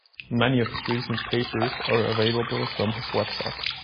Many of his recent papers are available from his website.